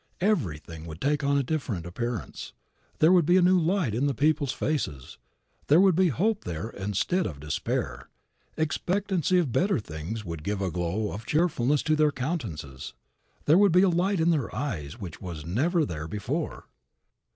Everything would take on a different appearance. There would be a new light in the people's faces. There would be hope there instead of despair, expectancy of better things would give a glow of cheerfulness to their countenances. There would be a light in their eyes which never was there before.